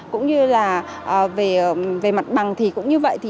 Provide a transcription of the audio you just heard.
cũng như là về mặt bằng thì cũng như vậy thì